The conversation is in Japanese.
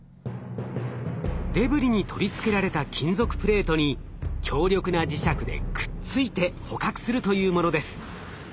デブリに取り付けられた金属プレートに強力な磁石でくっついて捕獲するというものです。